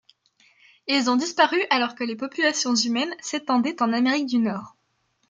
Ils ont disparu alors que les populations humaines s'étendaient en Amérique du Nord.